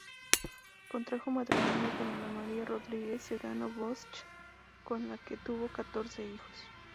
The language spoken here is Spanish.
Contrajo matrimonio con Ana María Rodríguez Sedano-Bosch, con la que tuvo catorce hijos.